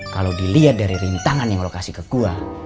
kalo diliat dari rintangan yang lo kasih ke gua